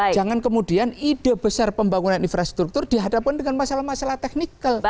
jangan kemudian ide besar pembangunan infrastruktur dihadapkan dengan masalah masalah teknikal